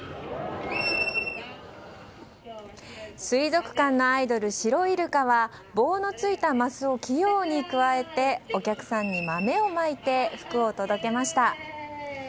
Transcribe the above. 水族館のアイドルシロイルカは棒のついたますを器用にくわえてお客さんに豆をまいて福を届けました。